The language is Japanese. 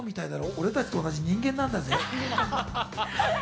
俺たちと同じ人間なんだぜ。